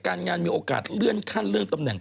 งานมีโอกาสเลื่อนขั้นเลื่อนตำแหน่ง